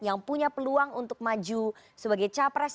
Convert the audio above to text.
yang punya peluang untuk maju sebagai capres